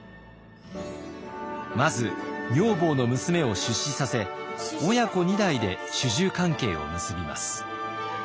まず女房の娘を出仕させ親子２代で主従関係を結びます。